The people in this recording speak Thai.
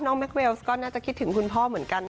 น้องแมคเวลก็น่าจะคิดถึงคุณพ่อเหมือนกันนะ